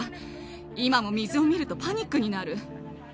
今も水を見るとパニックになる。